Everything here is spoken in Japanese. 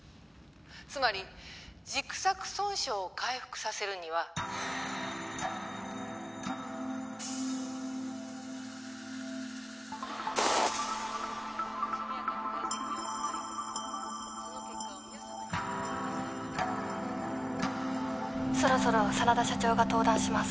つまり軸索損傷を回復させるには☎そろそろ真田社長が登壇します